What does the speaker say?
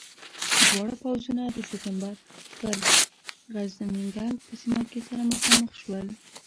دواړه پوځونه د سپټمبر پر د غزنيګک په سیمه کې سره مخامخ شول.